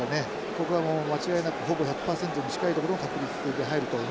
ここはもう間違いなくほぼ１００％に近いところの確率で入ると思いますけども。